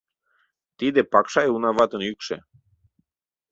— Тиде Пакшай уна ватын йӱкшӧ.